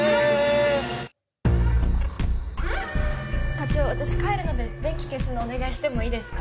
課長私帰るので電気消すのお願いしてもいいですか？